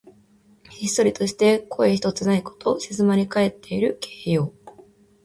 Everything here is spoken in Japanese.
ひっそりとして声ひとつないこと。静まりかえっている形容。